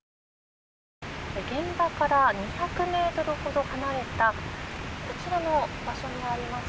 現場から２００ｍほど離れたこちらの場所にあります